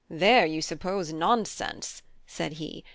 "Then you suppose nonsense," said he.